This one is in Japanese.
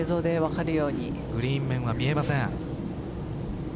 グリーン面は見えません。